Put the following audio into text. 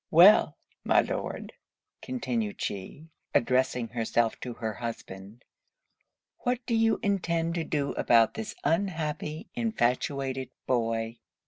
'Well, my Lord,' continued she, addressing herself to her husband, 'what do you intend to do about this unhappy, infatuated boy?'